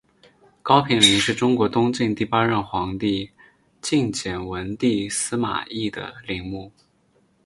高平陵是中国东晋第八任皇帝晋简文帝司马昱的陵墓。